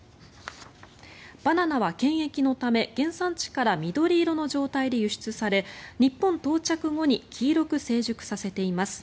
バナナは検疫のため原産地から緑色の状態で輸出され日本到着後に黄色く成熟させています。